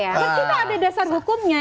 oh terus kita ada dasar hukumnya